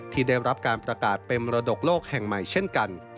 ที่ได้รับการประกาศเป็นมรดกโลกแห่งใหม่เช่นกัน